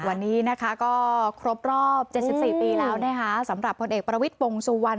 วันนี้นะคะก็ครบรอบ๗๔ปีแล้วนะคะสำหรับผลเอกประวิทย์วงสุวรรณ